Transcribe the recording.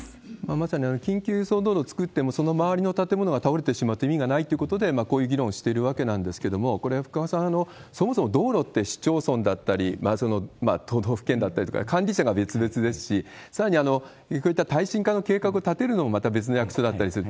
まさに緊急輸送道路を造っても、その周りの建物が倒れてしまうと意味がないということで、こういう議論をしているわけなんですけれども、これ、福和さん、そもそも道路って、市町村だったり、都道府県だったりとか、管理者が別々ですし、さらに、こういった耐震化の計画を立てるのもまた別の役所だったりする。